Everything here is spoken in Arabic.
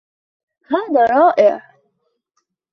هذا رائع